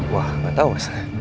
wah nggak tahu mas